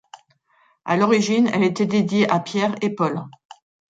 À l'origine, elle était dédiée à Pierre et Paul.